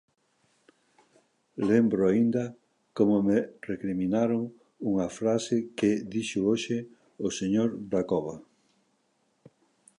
Lembro aínda como me recriminaron unha frase que dixo hoxe o señor Dacova.